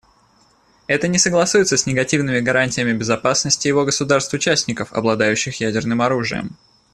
Это не согласуется с негативными гарантиями безопасности его государств-участников, обладающих ядерным оружием.